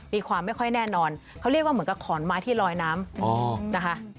มีความไม่ค่อยแน่นอนเขาเรียกว่าเหมือนกับขอนไม้ที่ลอยน้ำนะคะ